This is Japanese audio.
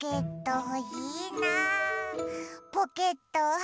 ポケットほしいな。